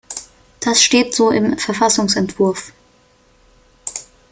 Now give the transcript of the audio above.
Das steht so im Verfassungsentwurf.